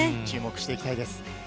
注目していきたいです。